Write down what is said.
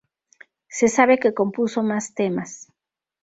Se sabe que compuso más temas.